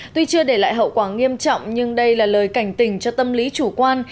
tuy chưa để lại hậu quả nghiêm trọng nhưng đây là lời cảnh tình cho tâm lý chủ quan